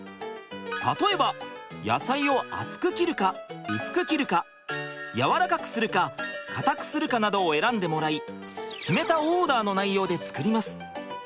例えば野菜をあつく切るかうすく切るかやわらかくするかかたくするかなどを選んでもらい決めたオーダーの内容で作ります。